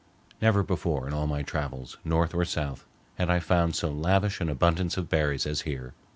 Never before in all my travels, north or south, had I found so lavish an abundance of berries as here.